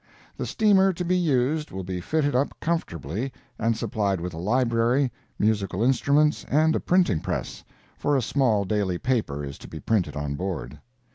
The steamer to be used will be fitted up comfortably and supplied with a library, musical instruments and a printing press—for a small daily paper is to be printed on board.